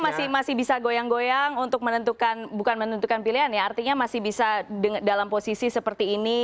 masih bisa goyang goyang untuk menentukan bukan menentukan pilihan ya artinya masih bisa dalam posisi seperti ini